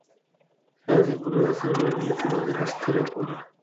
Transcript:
জাহাজে কোনো আঁচড় লাগলে, তোমাদের আস্ত রাখবো না।